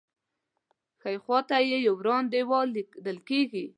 ښی خوا ته یې یو وران دیوال لیدل کېږي.